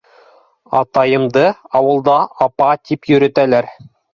Атайымды ауылда "апа" тип йөрөттөләр.